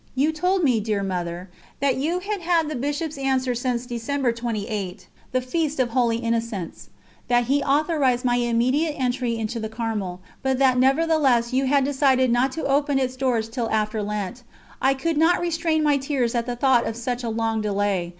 You told me, dear Mother, that you had had the Bishop's answer since December 28, the feast of Holy Innocents; that he authorised my immediate entry into the Carmel, but that nevertheless you had decided not to open its doors till after Lent. I could not restrain my tears at the thought of such a long delay.